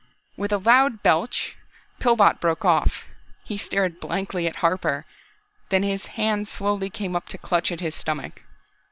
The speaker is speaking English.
With a loud belch, Pillbot broke off. He stared blankly at Harper, then his hands slowly came up to clutch at his stomach.